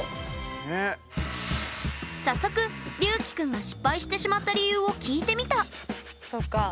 早速りゅうきくんが失敗してしまった理由を聞いてみた！